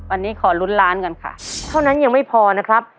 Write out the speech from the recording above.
วันนี้ขอลุ้นล้านกันค่ะเท่านั้นยังไม่พอนะครับ